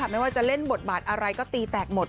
ไม่ว่าจะเล่นบทบาทอะไรก็ตีแตกหมด